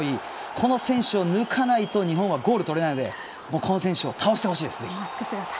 この選手を抜かないと日本はゴール、取れないのでこの選手を倒してほしいですね。